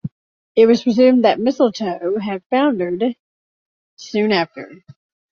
It was presumed that "Mistletoe" had foundered soon after.